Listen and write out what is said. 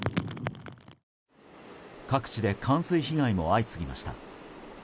各地で冠水被害も相次ぎました。